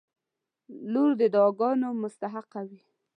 • لور د دعاګانو مستحقه وي.